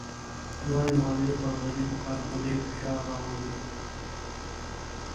لوړې مالیې پر غریبو خلکو ډېر فشار راولي.